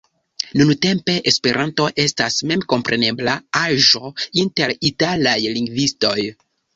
Nuntempe Esperanto estas memkomprenebla aĵo inter italaj lingvistoj.